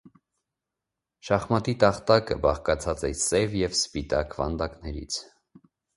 Շախմատի տախտակը բաղկացած է սև և սպիտակ վանդակներից։